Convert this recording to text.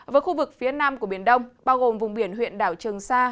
với khu vực phía nam của biển đông bao gồm vùng biển huyện đảo trường sa